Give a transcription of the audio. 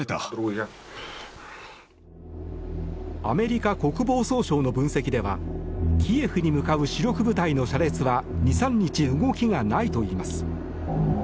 アメリカ国防総省の分析ではキエフに向かう主力部隊の車列は２３日動きがないといいます。